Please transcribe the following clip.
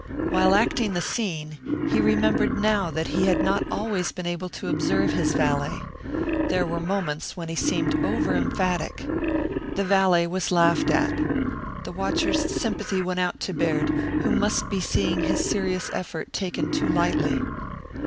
While acting the scene, he remembered now that he had not always been able to observe his valet. There were moments when he seemed over emphatic. The valet was laughed at. The watcher's sympathy went out to Baird, who must be seeing his serious effort taken too lightly.